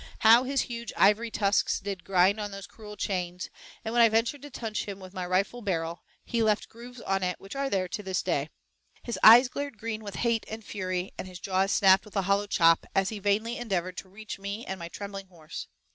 How his huge ivory tusks did grind on those cruel chains, and when I ventured to touch him with my rifle barrel he left grooves on it which are there to this day. His eyes glared green with hate and fury, and his jaws snapped with a hollow 'chop,' as he vainly endeavored to reach me and my trembling horse.